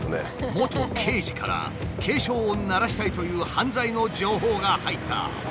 元刑事から警鐘を鳴らしたいという犯罪の情報が入った。